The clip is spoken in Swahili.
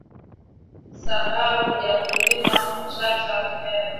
sabau za mkulima kuchakata viazi